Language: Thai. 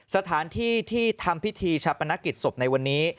สถานที่ที่ทำพิธีชาปนกิจศพในวันนี้